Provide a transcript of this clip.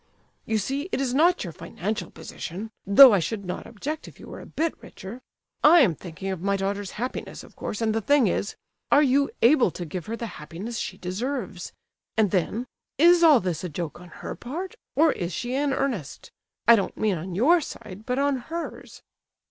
You see, it is not your financial position (though I should not object if you were a bit richer)—I am thinking of my daughter's happiness, of course, and the thing is—are you able to give her the happiness she deserves? And then—is all this a joke on her part, or is she in earnest? I don't mean on your side, but on hers."